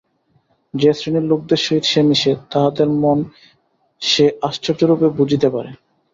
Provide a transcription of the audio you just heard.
যে শ্রেণীর লোকেদের সহিত সে মেশে, তাহাদের মন সে আর্যশ্চরূপে বুঝিতে পারে।